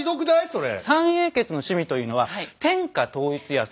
それ。